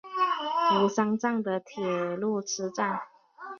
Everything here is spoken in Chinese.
吾桑站的铁路车站。